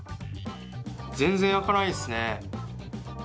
全然開かないですね。